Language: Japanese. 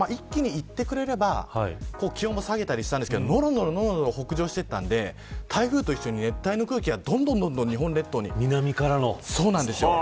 一気に行ってくれれば気温も下げたりしたんですけどのろのろ北上したんで熱帯の空気がどんどん日本列島に。